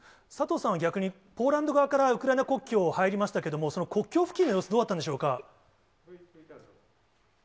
佐藤さんは逆に、ポーランド側からウクライナ国境に入りましたけども、その国境付近の様子、どうだったんでしょうか？